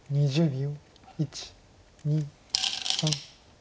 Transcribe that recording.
２０秒。